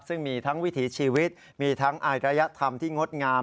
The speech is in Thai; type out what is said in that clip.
ซึ่งมีทั้งวิถีชีวิตมีทั้งอายรยธรรมที่งดงาม